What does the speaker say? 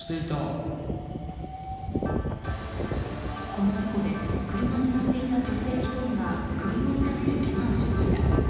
この事故で車に乗っていた女性１人が首を痛めるけがをしました。